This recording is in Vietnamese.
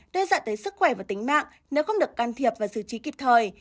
đề dạy tới sức khỏe và tính mạng nếu không được can thiệp và giữ trí kịp thời